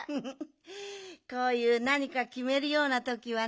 こういうなにかきめるようなときはね